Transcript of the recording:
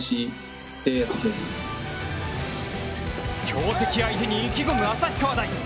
強敵相手に意気込む旭川大。